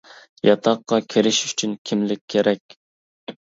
ياتاققا كىرىش ئۈچۈن كىملىك كېرەك.